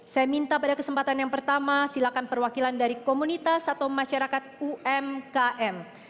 saya minta pada kesempatan yang pertama silakan perwakilan dari komunitas atau masyarakat umkm